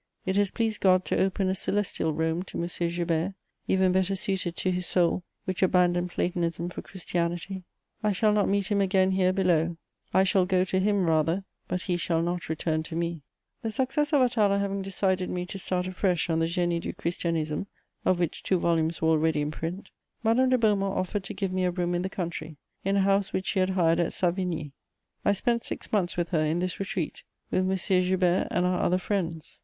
It has pleased God to open a celestial Rome to M. Joubert, even better suited to his soul, which abandoned Platonism for Christianity. I shall not meet him again here below: "I shall go to him rather: but he shall not return to me." The success of Atala having decided me to start afresh on the Génie du Christianisme, of which two volumes were already in print, Madame de Beaumont offered to give me a room in the country, in a house which she had hired at Savigny. I spent six months with her in this retreat, with M. Joubert and our other friends.